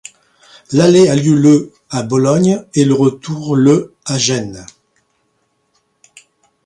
L'aller a lieu le à Bologne et le retour le à Gênes.